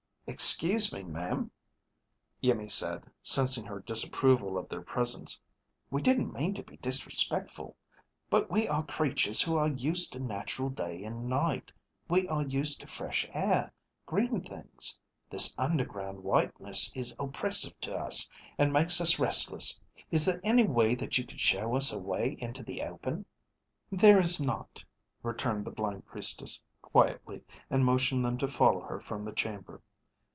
"Excuse me, ma'am," Iimmi said, sensing her disapproval of their presence, "we didn't mean to be disrespectful, but we are creatures who are used to natural day and night. We are used to fresh air, green things. This underground whiteness is oppressive to us and makes us restless. Is there any way that you could show us a way into the open?" "There is not," returned the blind Priestess quietly and motioned them to follow her from the chamber.